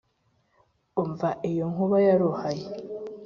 umva iyo nkuba yaruhaye